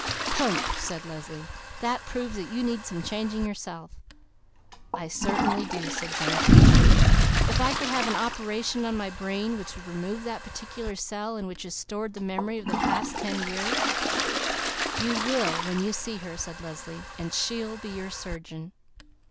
"Humph!" said Leslie. "That proves that you need some changing yourself." "I certainly do," said James Minturn. "If I could have an operation on my brain which would remove that particular cell in which is stored the memory of the past ten years " "You will when you see her," said Leslie, "and she'll be your surgeon."